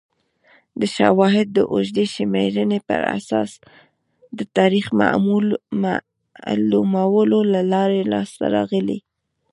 دا شواهد د اوږدې شمېرنې پر اساس د تاریخ معلومولو له لارې لاسته راغلي